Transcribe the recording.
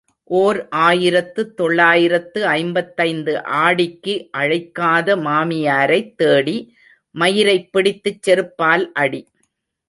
ஓர் ஆயிரத்து தொள்ளாயிரத்து ஐம்பத்தைந்து ஆடிக்கு அழைக்காத மாமியாரைத் தேடி மயிரைப் பிடித்துச் செருப்பால் அடி.